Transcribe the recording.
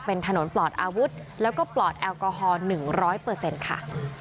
เป็นถนนปลอดอาวุธแล้วก็ปลอดแอลกอฮอล๑๐๐ค่ะ